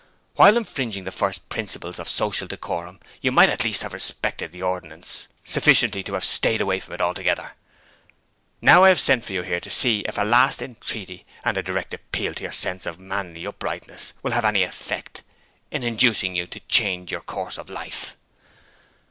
While infringing the first principles of social decorum you might at least have respected the ordinance sufficiently to have stayed away from it altogether. Now I have sent for you here to see if a last entreaty and a direct appeal to your sense of manly uprightness will have any effect in inducing you to change your course of life.'